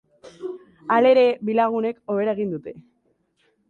Halere, bi lagunek hobera egin dute.